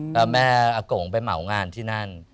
แล้วแม่อากงไปเหมางานที่นั่น